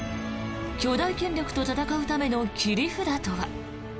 巨大権力と戦うための切り札とは？